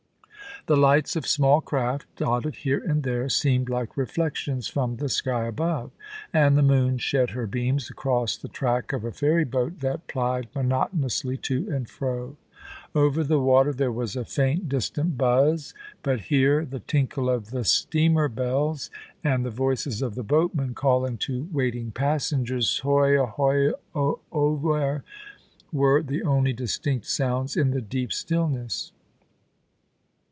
The lights of small craft, dotted here and there, seemed like reflections from the sky above; and the moon shed her beams across the track of a ferry boat that plied monoton ously to and fro. Over the water there was a faint, distant buzz; but here, the tinkle of the steamer bells, and the 3—2 36 POLICY AND PASSION. voices of the boatmen calling to waiting passengers, * Hoi ahoi o over/ were the only distinct sounds in the deep still ness.